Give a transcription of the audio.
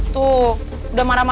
tuh udah marah marah